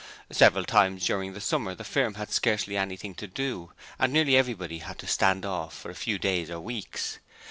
Several times during the summer the firm had scarcely anything to do, and nearly everybody had to stand off for a few days or weeks.